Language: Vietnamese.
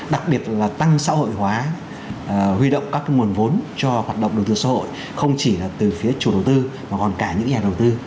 đặc biệt là tăng xã hội hóa huy động các nguồn vốn cho hoạt động đầu tư xã hội không chỉ là từ phía chủ đầu tư mà còn cả những nhà đầu tư